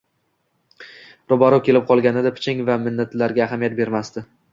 ro'baru kelib qolganida piching va minnatlariga ahamiyat bermasdi.